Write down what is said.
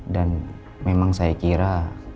dan memang saya kira